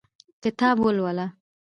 کتاب ولوله